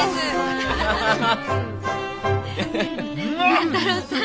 万太郎さん。